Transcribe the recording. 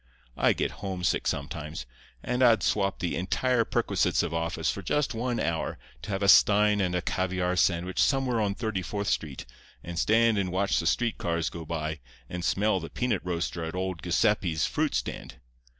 I get homesick sometimes, and I'd swap the entire perquisites of office for just one hour to have a stein and a caviare sandwich somewhere on Thirty fourth Street, and stand and watch the street cars go by, and smell the peanut roaster at old Giuseppe's fruit stand.